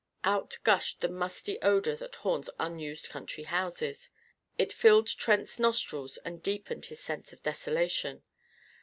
Out gushed the musty odour that haunts unused country houses. It filled Trent's nostrils and deepened his sense of desolation.